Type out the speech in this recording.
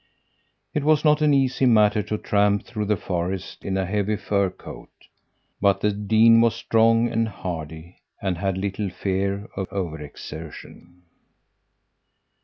It was not an easy matter to tramp through the forest in a heavy fur coat; but the dean was strong and hardy and had little fear of overexertion.